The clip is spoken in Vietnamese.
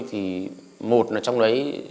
thì một là trong đấy